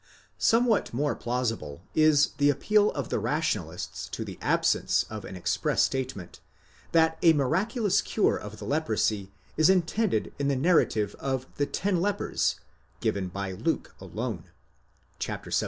Somewhat more plausible is the appeal of the rationalists to the absence οἱ an express statement, that a miraculous cure of the leprosy is intended in the narrative of the ten lepers, given by Luke alone (xvii.